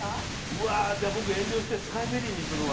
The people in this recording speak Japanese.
うわじゃあ僕遠慮してスカイベリーにするわ。